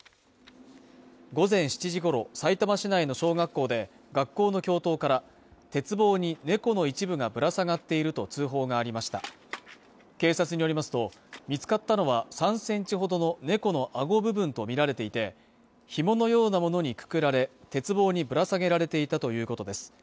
午前７時ごろさいたま市内の小学校で学校の教頭から鉄棒に猫の一部がぶら下がっていると通報がありました警察によりますと見つかったのは３センチほどの猫の顎部分と見られていてひものようなものにくくられ鉄棒にぶら下げられていたということです